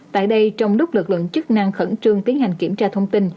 tại đây trong lúc lực lượng chức năng khẩn trương tiến hành kiểm tra thông tin